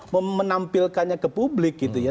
menampilkannya ke publik gitu ya